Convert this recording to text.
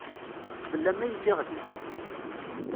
Fell-am ay lliɣ din.